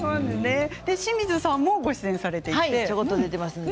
清水さんもご出演なさっていますね。